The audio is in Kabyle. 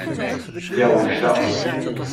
Lliɣ wejdeɣ.